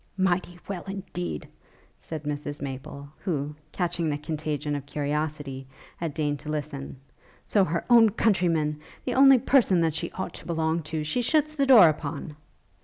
'Mighty well, indeed!' said Mrs Maple, who, catching the contagion of curiosity, had deigned to listen; 'so her own countryman, the only person that she ought to belong to, she shuts the door upon!'